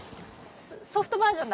ソフトバージョンだ。